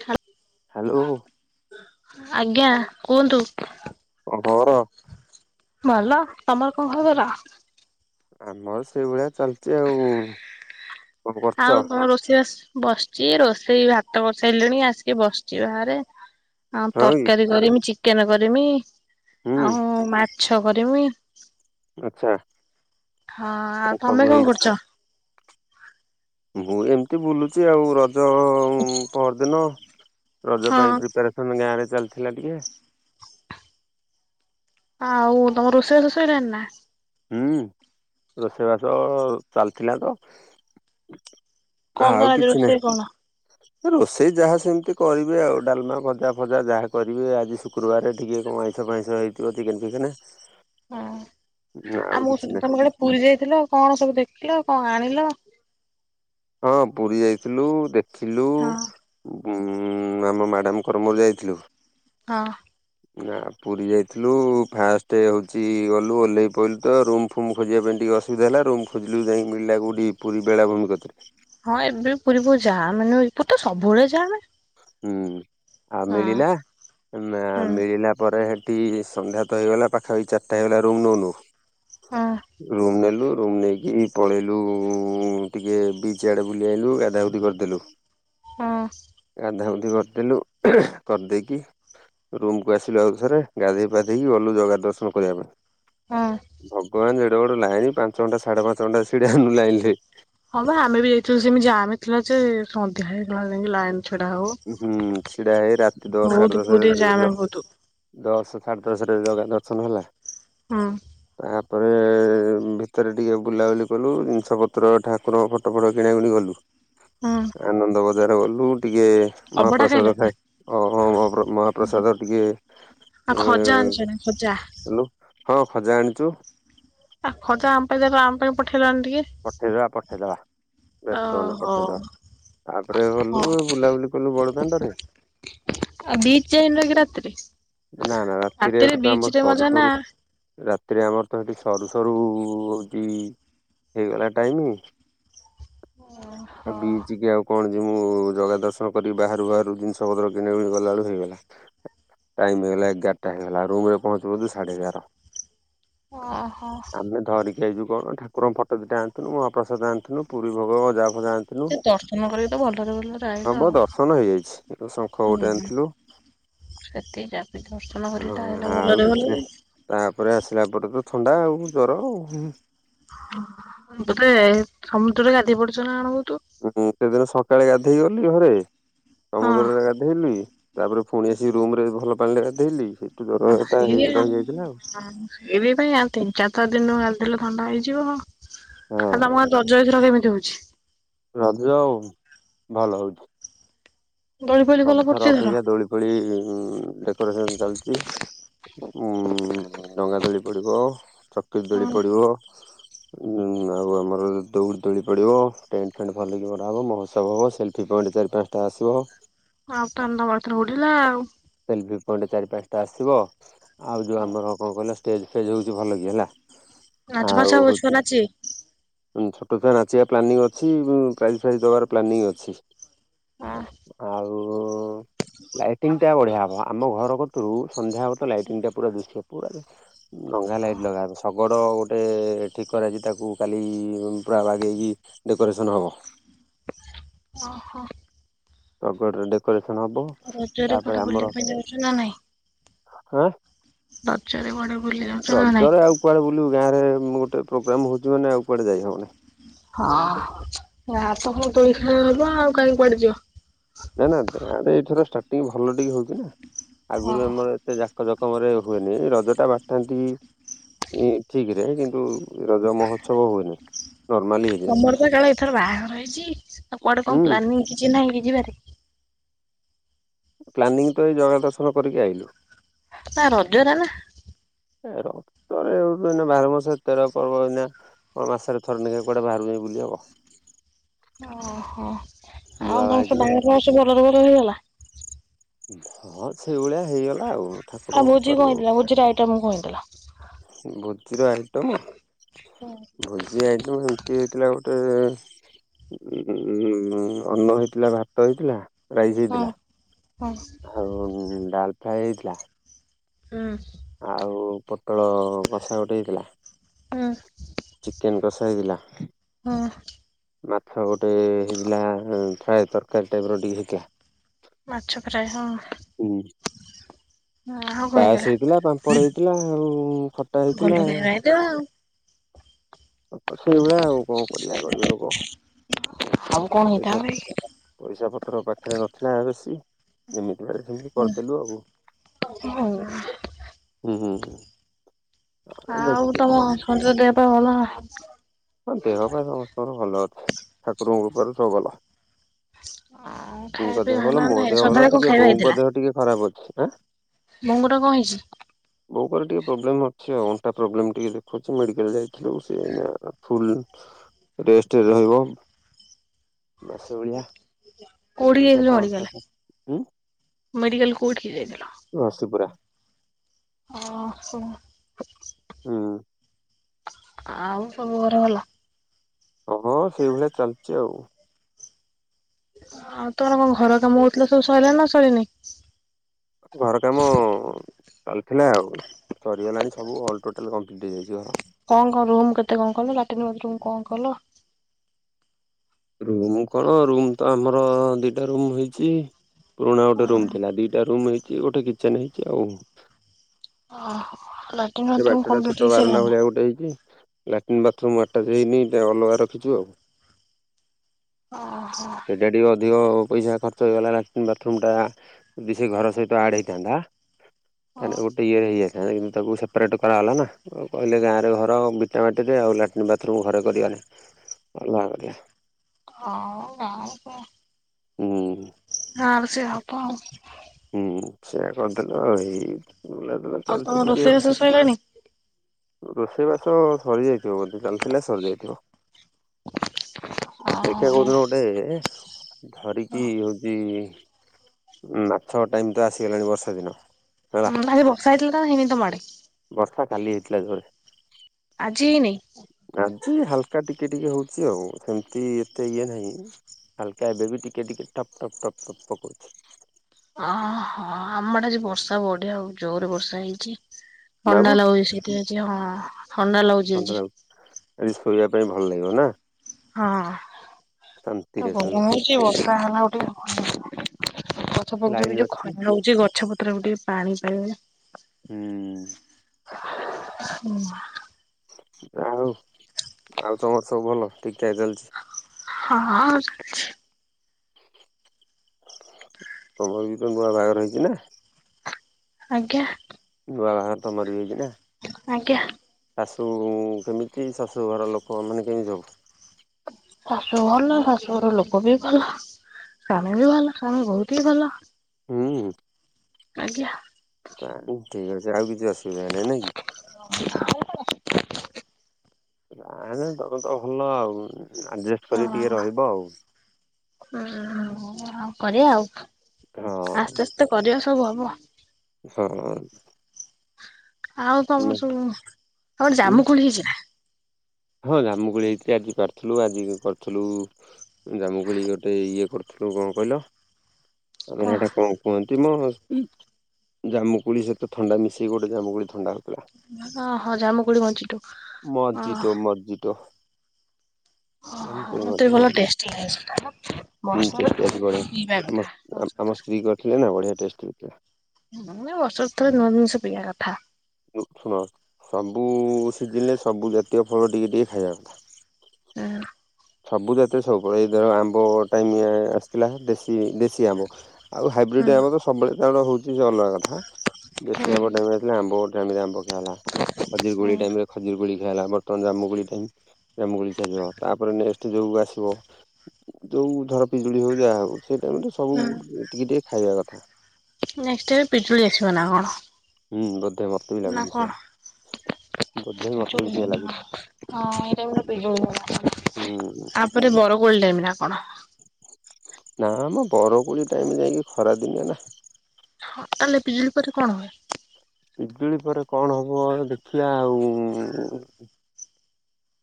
ଖା [unintelligible] ହ୍ୟାଲୋ। ଆଜ୍ଞା କୁହନ୍ତୁ? କଣ ଖବର? ଭଲ ତମର କଣ ଖବର? ଆମର ସେଇଭଳିଆ ଚାଲିଚି ଆଉ କଣ କରୁଛ? ଆଉ କଣ ରୋଷେଇ ବାସ ବସିଛି ରୋଷେଇ ଭାତ କରିସାରିଲିଣି ଆସିକି ବସିଛି ବାହାରେ ଆଉ ହଁ କି ତରକାରୀ କରିମି ଚିକେନ କରିମି ହୁଁ ଆଉ ମାଛ କରିମି ଆଚ୍ଛା ହଁ ଆଉ ସବୁ ତମେ କଣ ହେଇଛି କରୁଚ଼? ମୁଁ ଏମିତି ବୁଲୁଚି ଆଉ ରଜ ପରଦିନ ରଜ ହଁ ପାଇଁ ପ୍ରିପାରେ ତମ ଗାଁ ରେ ଚାଲିଥିଲା ଟିକେ ଆଉ ତମ ରୋଷେଇ ବାସ ସଇଲାଣି ନା ହୁଁ ରୋଷେଇବାସ ଚାଲିଥିଲା ତ କଣ ତମର ଆଉ ଆଜି କିଛି ରୋଷେଇ କଣ? ନାହିଁ ରୋଷେଇ ଯାହା ସେମିତି କରିବେ ଆଉ ଡାଲମା ଭଜା ଫଜା ଯାହା କରିବେ ଆଜି ଶୁକ୍ରବାରରେ ଟିକେ ଆଇ ଛପାଇ ଛପାଇ ଥିବ ତିକେନ୍ ଫିକେନ୍। ହଁ ଆଉ କିଛି ମୁଁ ନାହିଁ। ତମେ କୁଡେ ପୁରୀ ଯାଇଥିଲ କଣ ସବୁ ଦେଖିଲ କଣ ଆଣିଲ? ହଁ ପୁରୀ ଯାଇଥିଲୁ ଦେଖିଲୁ ହଁ ଉଁ ଆମ ମ୍ୟାଡ଼ାମଙ୍କର ମୋର ଯାଇଥିଲୁ। ହଁ। ନା ପୁରୀ ଯାଇଥିଲୁ ଫାଷ୍ଟ ହଉଛି ଗଲୁ ଓହ୍ଲେଇ ପିଇଲୁ ତ ରୁମ ଫୁମ୍ ଖୋଜିବା ପାଇଁ ଟିକେ ଅସୁବିଧା ହେଲା ରୁମଖୋଜିଲୁ ଯାଇଁ ମିଳିଲା କୋଉଠି ପୁରୀ ବେଳାଭୂମି କତିରେ। ହଁ ଏବେ ପୁରୀ ପ ଯାମ୍‌ନୁହେଁ କି ପୁତ ସବୁବେଳେ ଯାମ। ହୁଁ ଆଉ ମିଳିଲା ମେ ହୁଁ ମିଳିଲା ପରେ ଟି ସନ୍ଧ୍ୟା ତ ହେଇଗଲା ପାଖାପଖି ଚାରିଟା ହେଇଗଲା ରୁମ୍ ନଉ ନଉ ହଁ ରୁମ ନେଲୁ ରୁମ ନେଇକି ପଳେଇଲୁ ଟିକେ ବିଚ୍ ଆଡ଼େ ବୁଲି ଆଇଲୁ ଗାଧା ଗୁଧି କରିଦେଲୁ। ହଁ। ଗାଧା ଗୁଧି କରିଦେଲୁ କରିଦେଇକି ରୁମକୁୁ ଆସିଲଥରେ ଗାଧୋଇ ଫାଧେଇକି ଗଲୁ ଜଗା ଦର୍ଶନ କରିବା ପାଇଁ। ହଁ। ଭଗବାନ ଯେଡ଼େ ବଡ ଲାଇନି ପାଞ୍ଚ ଘଣ୍ଟା ସାଢେ ପାଞ୍ଚ ଘଣ୍ଟା ଛିଡ଼ା ହେଲୁ ଲାଇନରେ। ହଁବା ଆମେ ବି ଯାଇଥିଲୁ ସେମିତି ଯାମ ଥିଲା ଯେ ସନ୍ଧ୍ୟା ହେଇଗଲା ନେଇକି ଲାଇନ ଛିଡା ହଉ। ଉହୁଁ ଛିଡା ହେଇ ରାତି ଦଶ ସାଢେ ଦଶ ପୁରୀ ଜାମେ [unintelligible] ବହୁତ ଦଶ ସାଢ଼େ ଦଶ ରେ ଜଗା ଦର୍ଶନ ହେଲା। ହଁ। ଆପରେ ଭିତରେ ଟିକେ ବୁଲାବୁଲି କଲୁ ଜିନିଷ ପତ୍ର ଠାକୁରଙ୍କ ଫଟୋ ଫଟ କିଣା କିିଣି କଲୁ ହୁଁ ଆନନ୍ଦ ବଜାର ଗଲୁ ଟିକେ ଅବଢା ଖାଇଲ ମହାପ୍ରସାଦ ନା? ଖାଇ ଓ ହଁ ମହା ମହାପ୍ରସାଦ ଟିକେ ଆ ଖଜା ଆଣିଛନି ଖଜା? ହ୍ୟାଲୋ ହଁ ଖଜା ଆଣିଚୁ। ଆ ଖଜା ଆମ ପାଇଁ ଦେଗ ଆମ ପାଇଁ ପଠେଇଲନି ଟିକେ। ପଠେଇବା ପଠେଇଦବା। ବେସ୍ତ ହୁଅନା ଓହୋ ପଠେଇଦବା। ତାପରେ ଗଲୁ ହଁ ବୁଲାବୁଲି କଲୁ ବଡଦାଣ୍ଡରେ। ଆବି ଚେଇନକି ରାତିରେ ନା ନା ଏଠି ରାତିରେ ତ ବିଚ୍ ଆମର ରେ ସରୁ ମଜା ନା। ସରୁ ରାତିରେ ଆମର ତ ହେଁଠି ସରୁ ସରୁ ହଉଚି ହେଇଗଲା ଟାଇମ ଆ ଓହୋ ବିଚିକ ଆଉ କଣ ଯିମୁଁ ଜଗା ଦର୍ଶନ କରି ବାହାରୁ ବାହାରୁ ଜିନିଷ ପତ୍ର କିଣା କିଣି ଗଲା ଆଳୁକୁ ହେଇଗଲା। ଟାଇମ ହେଇଗଲା ଏଗାରଟା ହେଇଗଲା ରୁମ ରେ ପହଞ୍ଚୁ ପହଞ୍ଚୁ ସାଢେ ଏଗାର। ଓହଁ। ଆମେ ଧରିକି ଆଇଲୁ କଣ ଠାକୁରଙ୍କ ଫଟ ଦିଟା ଆଣିଥିଲୁ ମହାପ୍ରସାଦ ଆଣିଥିଲୁ ପୁରୀ ଭୋଗ ଗଜା ଫଯା ଆଣିଥିଲୁ ସେ ଦର୍ଶନ କରିକି ତ ଭଲରେ ଭଲରେ ଆଇଲ ନବ ଆଉ। ଦର୍ଶନ ହେଇଯାଇଛି ଶଙ୍ଖ ଗୋଟେ ଆଣିଥିଲୁ। ସେତି ରାତିଟା ଦର୍ଶନ କରି ହଁ ଟା ଆଇଲ ଆଉ ଭଲରେ କିଛି ଭଲରେ। ନାହିଁ। ତାପରେ ଆସିଲା ପରେ ତ ଥଣ୍ଡା ଆଉ ଜର। ତୋତେ ସମୁଦ୍ରରେ ଗାଧେଇ ପଡ଼ିଚନା କଣ ବହୁତୁ। ଉହୁଁ ସେଦିନ ସକାଳେ ଗାଧେଇ ଗଲି ଘରେ ହଁ। ସମୁଦ୍ରରେ ଗା ଧେଇଲି ତାପରେ ପୁଣି ଆସିକି ରୁମ ରେ ଭଲ ପାଣିରେ ଗାଧେଇଲି ସେଠୁ ଜର ହେଲା ହେଇ ରହିଯାଇଥିଲା ଆଉ। ଏ ବି ପାଇଁ ଆଉ ତିନି ଚାରି ଥର ଦିନ ଗାଧେଇଲ ଥଣ୍ଡା ହେଇଯିବ ହଁ ଆଉ ତମ ଜ ଜୟଥର କେମିତି ହଉଛି? ରଜ ଆଉ ଭଲ ହଉଚି। ଦୋଳି ଫୋଳି ଭଲ ସବୁଥର ପଡୁଛି ଏଥର? ଅପେକ୍ଷା ଦୋଳି ଫୋଳି ଡେକୋରେସନ ଚାଲିଚି। ଉଁ ଡଙ୍ଗା ଦୋଳି ପଡିବ ଚର୍କି ଦୋଳି ହଁ ପଡିବ ଉଁମ ଆଉ ଆମର ଦୌଡି ଦୋଳି ପଡିବ ଟେଣ୍ଟ ଫେଣ୍ଟ ଭଲକି ମରାହବ ମହୋତ୍ସବ ହବ ସେଲଫି ପଏଣ୍ଟ ଚାରି ପାଞ୍ଚ ଟା ଆସିବ ଆଉ [unintelligible] ଉଡ଼ିଲା ଆଉ। ସେଲଫି ପଏଣ୍ଟ ଚାରି ପାନ୍ସଟା ଆସିବ, ଆଉ ଯୋଉ ଆମର କଣ କହିଲ ଟେଜ୍ ଫେଜ୍ ହଉଛି ଭଲ କି ହେଲା, ନାଚ ଫାଚ ଆଉ ହବ ଛୁଆ ହଉଛି ନାଚିବେ? ଉଁ, ଛୋଟ ଛୁଆ ନାଚିବା ପ୍ଲାନିଂ ଅଛି ଉ, ପ୍ରାଇଜ୍ ଫ୍ରାଇଜ୍ ଦବାର ପ୍ଲାନିଂ ଅଛି। ଆଉ ଲାଇଟିଂ ଟା ବଢିଆ ହବ, ଆମ ଘର କତୁରୁ ସନ୍ଧ୍ୟା ହବ ତ ଲାଇଟିଂ ଟା ପୁରା ଦୁଶିବ ପୁରା। ଲଙ୍ଘା ଲାଇଟ୍ ଲଗା ହବ, ଶଗଡ଼ ଗୋଟେ ଠିକ୍ କରାଯାଇଚି, ତାକୁ କାଲି ପୁରା ବାଗେଇକି ଡେକୋରେସନ୍ ହବ। ଅଁ, ହଁ। ଶଗଡରେ ଡେକୋରେସନ୍ ହବ। ରଜରେ କୁଆଡେ ବୁଲିବା ପାଇଁ ଯାଉଛ ନା ନାହିଁ? ଆଁ, ରଜରେ କୁଆଡେ ବୁଲି ଯାଉଛ ନା ନାଇଁ? ଥିଲୁ ଗାଁରେ ମୁଁ ଗୋଟେ ପ୍ରୋଗ୍ରାମ୍ ହଉଚି ମାନେ ଆଉ କୁଆଡେ ଯାଇ ହବନି। ହଁ ଗାଁରେ ତ ହଉ ଦୋଳି ଖେଳ ହବ ଆଉ କାହିଁକି କୁଆଡେ ଯିବ। ନା ନା ଗାଁରେ ଏଇଥର ଷ୍ଟାର୍ଟିଂ ଭଲ ଟିକେ ହଉଛି ନା, ହଁ ଆଗରୁ ଆମର ସେ ଜାକ ଜକମ ରେ ହୁଏନି, ରଜ ଟା ବାଟାନ୍ତି ଇଁ, ଠିକ୍ ରେ କିନ୍ତୁ ରଜ ମହୋତ୍ସବ ହୁଏନି। ନର୍ମାଲି ହେଇଯାଏ। ତୋମର ପରା କାଳେ ଏଥର ବାହାଘର ହେଇଛି ଆଉ କୁଆଡେ କଣ ହୁଁ ପ୍ଲାନିଂ କିଛି ନାହିଁ କି ଯିବାରେ? ପ୍ଲାନିଂ ତ ଏଇ ଜଗା ଦର୍ଶନ କରିକି ଆଇଲୁ। ତା ରଜରା ନା। ଏ ରଜରେ ଆଉ ତ ଏଇନା ବାର ମାସ ତେର ପର୍ବ ଏଇନା। କଣ ମାସ ରେ ଥରେ ନେଖା କୁଆଡେ ବାହାରକୁ ଯାଇ ବୁଲି ହବ। ଓହୋ, ନୂଆ ଆଉ ବାହା କଣ ହେଇଛୁ ସବୁ ନା। ବାହାଘର ଫାହାଘର ସବୁ ଭଲ ରେ ଭଲ ହେଇଗଲା? ହଁ ସେଇଭଳିଆ ହେଇଗଲା ଆଉ। ଆଉ ଠାକୁରଙ୍କ ଭୋଜି କୃପାରୁ କଣ ଆଉ ହେଇଥିଲା? ଭୋଜିରେ ଆଇଟମ୍ କଣ ହେଇଥିଲା। ଭୋଜିର ଆଇଟମ? ଭୋଜି ଆଇଟମ୍ ସେମତି ହେଇଥିଲା ଗୋଟେ ଉ, ଅନ୍ନ ହେଇଥିଲା ଭାତ ହେଇଥିଲା। ରାଇସ୍ ହଁ ହେଇଥିଲା ହଁ ଆଉ ଡାଲ୍ ଫ୍ରାଏ ହେଇଥିଲା। ହଁ। ଆଉ ପୋଟଳ କଷା ଗୋଟେ ହେଇଥିଲା। ହଁ। ଚିକେନ୍ କଷା ହେଇଥିଲା। ହଁ। ମାଛ ଗୋଟେ ହେଇଥିଲା ଫ୍ରାଏ ତରକାରୀ ଟାଇପ୍ ର ଟିକେ ହେଇଥିଲା। ମାଛ ଫ୍ରାଏ ହଁ। ହୁଁ। ଆଉ କଣ ପାସ୍ ହେଇଥିଲା, ପାମ୍ପଡ ହେଇଥିଲା, ଆଉ ଖଟା ହେଇଥିଲା ଆଉ। [unintelligible] ଆଉ ହଁ ସେଇଭଳିଆ ଆଉ କଣ କରିବା କରିବା ଲୋକ। ଆଉ ଆଉ କଣ ପଇସା ହେଇଥାନ୍ତା [inaudible] ପଇସା ପତ୍ର ପାଖରେ ନଥିଲା ବେଶୀ। ଏମିତି ଭାବେ ସେମିତି କରିଦେଲୁ ଆଉ। ହୁଁ, ହୁଁ। ଆଉ ଦେଖିବା ତୋମ ସଞ୍ଜୁର ଦେହ ପାହ ଭଲ ନା? ହଁ ଦେହ ପା ସମସ୍ତଙ୍କର ଭଲ ଅଛି। ଠାକୁରଙ୍କ କୃପାରୁ ସବୁ ଭଲ। ଆଉ ଖାଇବା ସ୍ତୀଙ୍କ ଦେହ ପିଇବା ହେଲା ଭଲ, ନା ମୋ ନାଇଁ ଦେହ ଭଲ ସନ୍ଧ୍ୟାବେଳେ କଣ ଟିକେ ଖାଇବା ବୋଉଙ୍କ ଦେହ ଟିକେ ଖରାପ ଅଛି। ଆଁ, ବୋଉଙ୍କର କଣ ହେଇଛି? ବବୋଉଙ୍କର ଟିକେ ପ୍ରୋବ୍ଲେମ୍ ଅଛି ଆଉ, ଅଣ୍ଟା ପ୍ରୋବ୍ଲେମ୍ ଟିକେ ଦେଖୁଛି ମେଡିକାଲ୍ ଯାଇଥିଲୁ। ସେ ଏଇନା ଫୁଲ୍ ରେଷ୍ଟ ରେ ରହିବ ମାସେ ଭଳିଆ। କୋଉଠି ଦେଖିଆ ଯାଇଥିଲ ତା ମେଡିକାଲ, ଅଣ୍ଟାଟା ହୁଁ ମେଡିକାଲ କୋଉଠିକି ଯାଇଥିଲ? ଘଷିପୁରା। [unintelligible] ହୁଁ। ଆଉ ସବୁ ଘରେ ଭଲ? ହଁ ସେଇଭଳିଆ ଚାଲିଚି ଆଉ। ଆଉ ତମର କଣ ଘର କାମ ହଉଥିଲା ସବୁ ସରିଲଣି ନା ସରିନି? ଘର କାମ ଚାଲିଥିଲା ଆଉ ସରିଗଲାଣି ସବୁ ଅଲ ଟୋଟାଲ କମ୍ପ୍ଲିଟ୍ ହେଇଯାଇଚି ଘର। କଣ କଣ ରୁମ କେତେ କଣ କଲ ଲାଟ୍ରନ୍ ବାଥରୁମ କଣ କଲ? ରୁମ୍ କଣ ରୁମ୍ ତ ଆମର ଦିଟା ରୁମ୍ ହେଇଚି ପୁରୁଣା ଗୋଟେ ରୁମ୍ ଥିଲା ଦିଟା ରୁମ୍ ହେଇଚି ଗୋଟେ କିଚେନ ହେଇଚି ଆଉ। [unintelligible] ସେ ବାଟ ଟା କମ୍ପ୍ଲିଟ୍ ଛୋଟ ବାରଣ୍ଡା ହେଇସାରିଲାଣି? ଭଳିଆ ଗୋଟେ ହେଇଚି। ଲାଟିନ୍ ବାଥରୁମ୍ ଆଟାଚ ହେଇନି ଟା ଅଲଗା ରଖିଚୁ ଆଉ। ଓ ହ। ସେଇଟା ଟିକିେ ଅଧିକ ପଇସା ଖର୍ଚ୍ଚ ହେଇଗଲା ଲାଟ୍ରିନ୍ ବାଥରୁମ୍ଟା ଯଦି ସେ ଘର ସହିତ ଆଡ଼୍ ହୋଇଇଥାନ୍ତା। ତାନେ ଗୋଟେ ଇଏରେ ହେଇଯାଇଥାନ୍ତା କିନ୍ତୁ ତାକୁ ସେ ପାରେଟ କରାଗଲା ନା କହିଲେ ଗାଁରେ ଘର ବିଟା ମାଟିରେ ଆଉ ଲାଟିନ ବାଥରୁମ ଘରେ କରିବନି। ଅଲଗା କରିଆ। ହଁ ମ ଗାଁ ରେ ସେଇଆ। ହୁଁ। ହଁ ସେ ହବ ଆଉ। ହୁଁ ସେଇଆ କରିଦେଲୁ ଆଉ ହେଇ ମୁଁ କଲି ଆ ଆଉ ତମ ରୋଷେଇ ବାସ ସଇଲଣି? ରୋଷେଇବାସ ସରି ଯାଇଥିବ ବୋଧେ ଚାଲିଥିଲେ ସରିଯାଇଥିବ। ଓହୋ। ବେ ଧରିକି ହଉଚି ନା ସ ଟାଇମ୍ ତ ଆସିଗଲାଣି ବର୍ଷା ଦିନ ହେଲା ହଁ ଭାଇ ବସା ହେଇଥିଲା ନା ହେଇନି ତମ ଆଡେ? ବର୍ଷା କାଲି ହେଇଥିଲା ଜୋରେ। ଆଜି ହେଇନି? ଆଜି ହାଲକା ଟିକେ ଟିକେ ହଉଚି ଆଉ ସେମିତି ଏତେ ଇଏ ନାହିଁ। ହାଲକା ଏବେ ବି ଟିକେ ଟିକେ ଟପ ଟପ ଟପ୍ ଟପ ପକଉଚି। ଓହୋ ଆମ ଆଡେ ଆଜି ବର୍ଷା ବଢିଆ ଉ ଜୋରେ ବର୍ଷା ହେଇଚି। ନା ଥଣ୍ଡା ମ ଲାଗୁଚି ସେଇତି ଆଜି ଆଉ ଥଣ୍ଡା ଲାଗୁଚି ଥଣ୍ଡା ଆଜି। ଲାଗୁଛି ଆଜି ଶୋଇବା ପାଇଁ ଭଲ ଲାଗିବ ନା? ହଁ ତ ଶାନ୍ତିରେ ଶୋଇବୁ ଗରମ ହଉଚି ବର୍ଷା ହେଲାଉ ଟିକେ ଭଲନାଗିବ। ଗଛ ଫଛ ବି ଲାଇନ ଯୋଉ ଅଛି ଖରା ହଉଚି ଗଛ ପତ୍ରକୁ ଟିକେ ପାଣି ପାଇବ। ହୁଁ। ହୁଁ। ଆଉ ଆଉ ତମର ସବୁ ଭଲ ଠିକ ଠାକ ଚାଲିଚି? ହଁଉ ଚାଲିଚି। ତମର ବି ତ ନୂଆ ବାଘର ହେଇଚି ନା? ଆଜ୍ଞା? ନୁଆ ବାହାଘର ତମର ବି ହେଇଚି ନା? ଆଜ୍ଞା। ଶାଶୁ କେମିତି ଶାଶୁ ଘର ଲୋକ ମାନେ କେମିତି ସବୁ? ଶାଶୁ ଭଲ ଶାଶୁଘର ଲୋକ ବି ଭଲ। ସ୍ୱାମୀ ବି ଭଲ ସ୍ୱାମୀ ବହୁତ ହିଁ ଭଲ। ହୁଁ। ଆଜ୍ଞା। ତାହେଲେ ଠିକ୍ ଅଛି ଆଉ କିଛି ଅସୁବିଧା ନାହିଁ ନାଇଁ କି। ହ ଯାହେଲେ ତମର ତ ଭଲ ଆଉ ଆଡଜେଷ ହଁ ଉଁ ହଉ କରିବା ଆଉ। ହଁ ଆସ୍ତେ ଆସ୍ତେ କରିବା ସବୁ ହବ। ହଁ। ଆଉ ଉଁ ତମର ସବୁ ତମର ଜାମୁ କୋଳି ହେଇଛି ନା। ହଁ ଯାମୁ କୋଳି ହେଇଛି ଆଜି ପାରୁଥିଲୁ ଆଜି କରିୁଥିଲୁ। ଜାମୁ କୋଳି ଗୋଟେ ଇଏ କରୁଥିଲୁ କଣ କହିଲ ଆମର ସେଟା କଣ କଁ କୁହନ୍ତି। ମ ଜାମୁ କୋଳି ସହିତ ଥଣ୍ଡା ମିଶେଇି ଗୋଟେ ଜାମୁ କୋଳି ଥଣ୍ଡା। ହଉଥିଲା। ଅ ହୋ ଯାମୁ କୋଳି ମୋଜିଟୋ। ମୋଜିଟୋ। ଯାମୁ ଓହୋ କୋଳି ମତେ ବି ମୋଜିଟୋ ଭଲ ହେଲା ଟେଷ୍ଟି ଲାଗେ ହୁଁ ବର୍ଷରେ ଟେଷ୍ଟ ଥରେ ଅଛି ବଢିଆ ପିଇବା ଆମ କଥା ସ୍ ଆମ। ବର୍ଷରେ ଆମ ଥରେ ସ୍ତ୍ରୀ କରିଥିଲେ ନା ବଢିଆ ଟେଷ୍ଟ ଦେଇଥିଲା। ହୁଁ ଏଇ ବର୍ଷ କୁ ଥରେ ନୂଆ ଜିନିଷ ପିଇବା କଥା। ଉ ହଁ ସବୁ ସିଜିନ୍ ରେ ସବୁ ଜାତୀୟ ଫଳ ଟିକେ ଟିକେ ଖାଇବା କଥା। ହୁଁ। ସବୁ ଜାତି ରେ ସବୁ ଫଳ ଏଇ ଧର ଆମ୍ବ ଟାଇମ ଆସିଥିଲା ଦେଶୀ ଦେଶୀ ଆମ୍ବ। ଆଉ ହାଇବ୍ରିଡ ଆମ ତ ସବବେଳେ କାରଣ ହଉଛି। ଅଲଗା କଥା ଦେଶୀ ଆମ୍ବ ହୁଁ ଟାଇମ ରେ ଆମ୍ବ ଖିଆ ହେଲା ଖଜୁରି ହୁଁ କୋଳି ଟାଇମରେ। ଖଜୁରି କୋଳି ଖିଆ ହେଲା ବର୍ତ୍ତମାନ ଜାମୁ କୋଳି ଟାଇମ୍ ଜାମୁ କୋଳି ଖାଆ ଯିବ ତା ତାପରେ ନେକ୍ସଟ୍ ଯୋଉ ଆସିବ ଯୋଉ ଧର ପିଜୁଳି ହଉ ଯା ହଉ ସେଇଟା ଟାଇମ୍ ରେ ସବୁ। ଟିକେ ଟିକେ ଖାଇବା କଥା। ନେକ୍ସଟ୍ ଏବେ ପିଜୁଳି ଆସିବ ନା କଣ। ହୁଁ ବୋଧେ ମତେ ବି ନା ଲାଗୁଛି ସେୟା କଣ ବୋଧେ ମତେ ବି ପିଜୁଳି ନୁଏ ସେୟା ଲାଗୁଛି ନା। ହଁ ଏଇମ୍ ରେ ପିଜୁଳି ହୁଏ ନା କଣ ହୁଁ ଆପରେ ବର‌ କୋଳି ଟାଇମ୍ ନା କଣ। ନା ମ ବରକୋଳି ଟାଇମ ଯାଇକି ଖରା ଦିନେ ନା। ହଁ ତାହେ ଲେ ପିଜୁଳି ପରେ କଣ ହୁଏ। ପିଜୁଳି ପରେ କଣ ହବ ଦେଖିବା ଆଉ।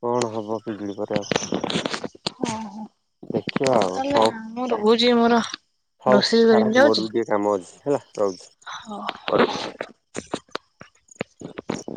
କଣ ହବ ପିଜୁଳି ପରେ ଆଉ। ଦେଖିବା ଆଉ ତାହେଲେ ହଉ। ମୁଁ ରହୁଛି ମୋର ହଉ ରୋଷେଇ ଛାଡ କରିବି ଯାଉଛି। ମୋର ବି ଟିକେ କାମ ଅଛି ହେଲା ରହୁଛି, ପରେ କଥା ହବା।